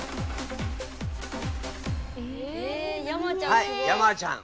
はい山ちゃん。